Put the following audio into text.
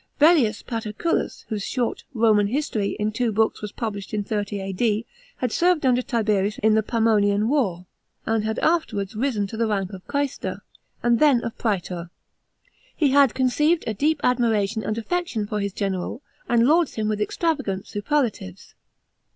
VELLEIUS PATERCULUS, whose short " Roman History" in t«o Bonks was pul lifhed in 30 A.D., had served under Tiherius in the Pannonian war, and af erwards risen to the rank of quaestor, and then of praetor. He had conceived a deep admiration and affection for his general, and lauds him with extravagant superlatives.